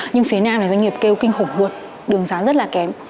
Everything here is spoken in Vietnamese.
nhưng phía nam này doanh nghiệp kêu kinh khủng buộc đường sáng rất là kém